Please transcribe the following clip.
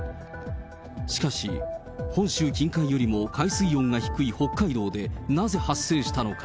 しかし、本州近海よりも海水温が低い北海道でなぜ発生したのか。